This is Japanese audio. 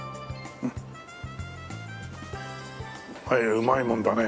うまいもんだね。